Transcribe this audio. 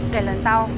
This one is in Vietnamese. thôi để lần sau